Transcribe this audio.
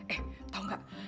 eh tau gak